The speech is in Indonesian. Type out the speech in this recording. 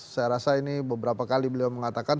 saya rasa ini beberapa kali beliau mengatakan